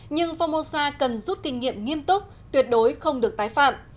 nhưng formosa cần rút kinh nghiệm nghiêm túc tuyệt đối không được tái phạm